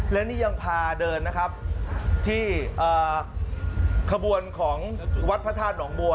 และนี่ยังพาเดินนะครับที่ขบวนของวัดพระธาตุหนองบัว